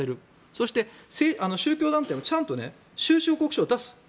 そして宗教団体はちゃんと収支報告書を出す。